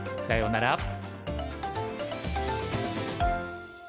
さようなら！